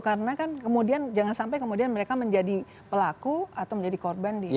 karena kan kemudian jangan sampai mereka menjadi pelaku atau menjadi korban